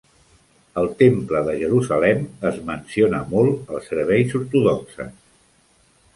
El Temple de Jerusalem es menciona molt als serveis ortodoxes.